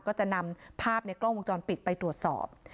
ก็จะนำภาพในกล้องวงจรปิดไปตรวจสอบ